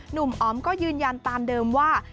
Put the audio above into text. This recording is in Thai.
หนุ่มออมก็ยืนยันตามเดิมว่า